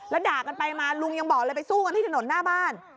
แล้วด่ากันไปมาลุงยังบอกเลยไปสู้กันที่ถนนหน้าบ้าน